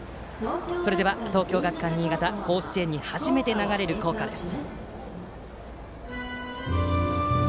それでは東京学館新潟甲子園に初めて流れる校歌です。